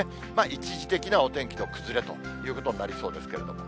一時的なお天気の崩れということになりそうですけれども。